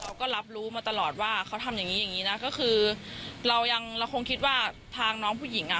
เราก็รับรู้มาตลอดว่าเขาทำอย่างงี้อย่างงี้นะก็คือเรายังเราคงคิดว่าทางน้องผู้หญิงอ่ะ